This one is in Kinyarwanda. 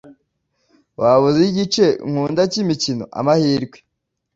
Waba uzi igice nkunda cyimikino? Amahirwe